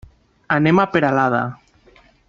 Anem a Peralada.